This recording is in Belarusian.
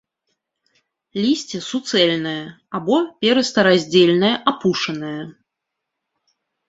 Лісце суцэльнае або перыста-раздзельнае, апушанае.